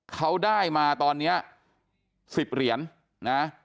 เขาได้มาตอนนี้๑๐เหรียญนะ